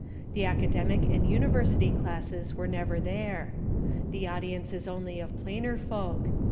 The academic and university classes are never there. The audience is only of plainer folk.